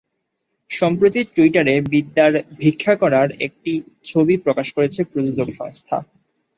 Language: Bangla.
সম্প্রতি টুইটারে বিদ্যার ভিক্ষা করার একটি ছবি প্রকাশ করেছে প্রযোজক সংস্থা।